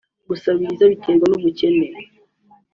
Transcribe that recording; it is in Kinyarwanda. Gusabiriza biterwa n’ ubukene